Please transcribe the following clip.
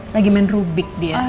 lagi main rubik dia